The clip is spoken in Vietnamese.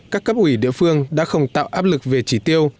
các cấp ủy địa phương đã không tạo áp lực về chỉ tiêu